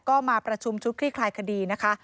ก็มาประชุมชุดคลี่คลายคดีนะคะ